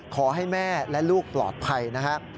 ขอให้แม่และลูกปลอดภัยนะครับ